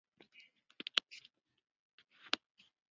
用于静滴的包装也可经口服用。